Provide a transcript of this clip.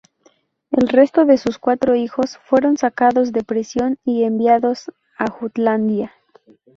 El resto de sus cuatro hijos fueron sacados de prisión y enviados a Jutlandia.